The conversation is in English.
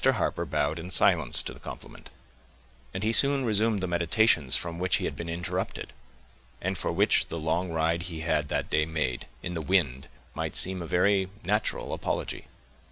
Harper bowed in silence to the compliment, and he soon resumed the meditations from which he had been interrupted, and for which the long ride he had that day made, in the wind, might seem a very natural apology.